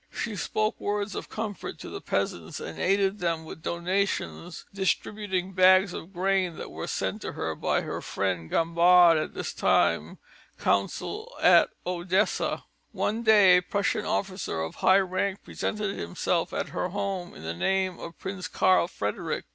She spoke words of comfort to the peasants and aided them with donations, distributing bags of grain that were sent to her by her friend Gambard, at this time consul at Odessa. One day a Prussian officer of high rank presented himself at her home in the name of Prince Karl Frederick.